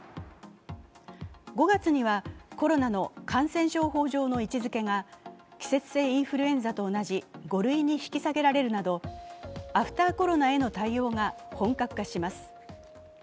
５月にはコロナの感染症法上の位置づけが季節性インフルエンザと同じ５類に引き下げられるなどアフター・コロナへの対応が本格化します。